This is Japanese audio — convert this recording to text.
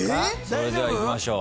それではいきましょう。